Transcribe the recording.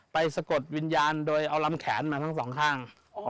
สะกดวิญญาณโดยเอาลำแขนมาทั้งสองข้าง